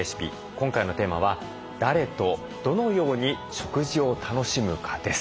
今回のテーマは「誰とどのように食事を楽しむか？」です。